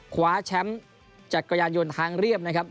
คว้าแชมป์จักรยานยนต์ทางเรียบนะครับ